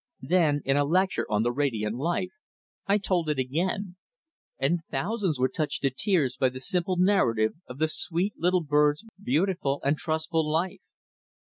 Then in a lecture on "The Radiant Life" I told it again, and thousands were touched to tears by the simple narrative of the sweet little bird's beautiful and trustful life.